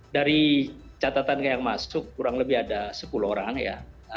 dari catatan yang masuk kurang lebih ada sepuluh orang ya